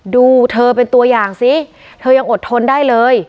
ดูเธอเป็นตัวอย่างสิเธอยังอดทนได้เลย